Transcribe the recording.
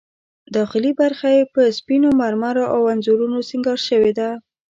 داخلي برخه یې په سپینو مرمرو او انځورونو سینګار شوې ده.